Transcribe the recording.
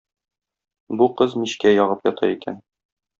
Бу кыз мичкә ягып ята икән.